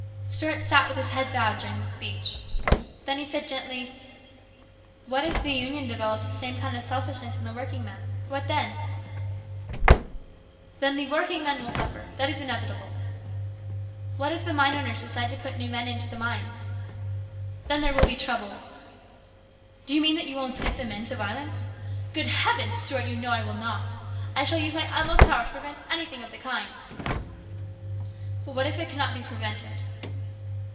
Stuart sat with his head bowed during this speech. Then he said gently, " What if the Union develops the same kind of selfishness in the working men ? What then ?"" Then the working men will suffer ; that is inevitable." " What if the mine owners decide to put new men into the mines ?"" Then there will be trouble." " Do you mean that you will incite the men to violence ?"" Good heavens ! Stuart, you know I will not. I shall use my utmost power to prevent anything of the kind." " But what if it cannot be prevented